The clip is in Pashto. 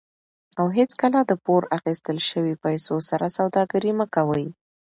او هیڅکله د پور اخیستل شوي پیسو سره سوداګري مه کوئ.